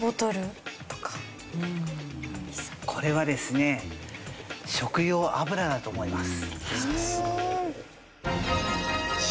これはですね食用油だと思います。